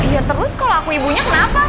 iya terus kalau aku ibunya kenapa